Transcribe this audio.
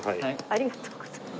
ありがとうございます。